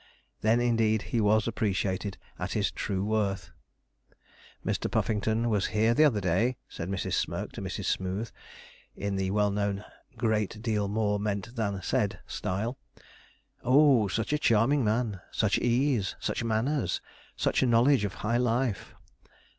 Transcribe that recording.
Then, indeed, he was appreciated at his true worth. [Illustration: AN 'AMA A ZIN' POP'LAR' MAN] 'Mr. Puffington was here the other day,' said Mrs. Smirk to Mrs. Smooth, in the well known 'great deal more meant than said' style. 'Oh such a charming man! Such ease! such manners! such knowledge of high life!'